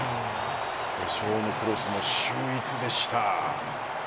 ショーのクロスも秀逸でした。